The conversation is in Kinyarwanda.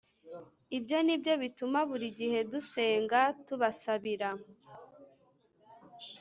ibyo ni byo bituma buri gihe dusenga tubasabira.